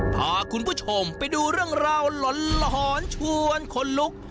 พาคุณผู้ชมไปดูเรื่องราวหลอนชวนขนลุก